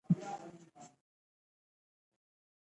په سيند کې مهيان شته؟